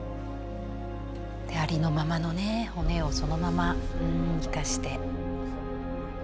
ありのままのね骨をそのまま生かして。